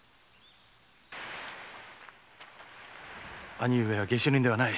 兄上は下手人ではない。